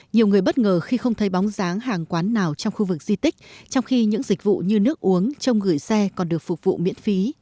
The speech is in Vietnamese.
nhiều người bất ngờ khi không thấy bóng dáng hàng quán nào trong khu vực di tích trong khi những dịch vụ như nước uống trông gửi xe còn được phục vụ miễn phí